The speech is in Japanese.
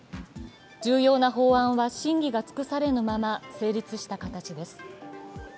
重要な法案は審議が尽くされぬまま成立した形です。